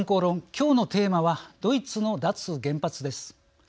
今日のテーマはドイツの脱原発です。